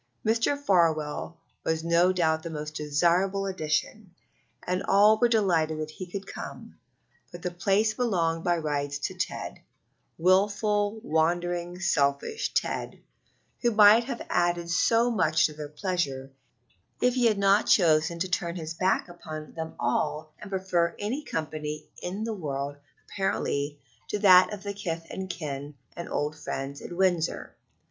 Mr. Farwell was no doubt a most desirable addition, and all were delighted that he could come; but the place belonged by rights to Ted wilful, wandering, selfish Ted, who might have added so much to their pleasure if he had not chosen to turn his back upon them all and prefer any company in the world, apparently, to that of kith and kin and old friends at Windsor.